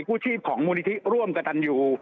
ผู้ชีพของมูลนิธิร่วมกับตันยู